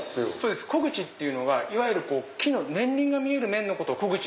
木口っていうのがいわゆる木の年輪が見える面のこと。